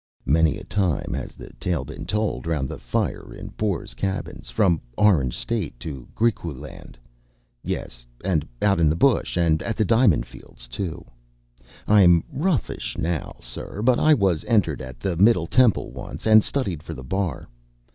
Many a time has the tale been told round the fire in Boers’ cabins from Orange state to Griqualand; yes, and out in the bush and at the diamond fields too. I’m roughish now, sir; but I was entered at the Middle Temple once, and studied for the bar.